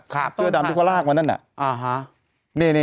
เข้าดำทุกฐาลากมานั่นน่ะ